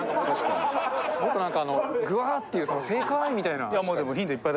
もっとなんかあのグワーっていう「正解！」みたいな。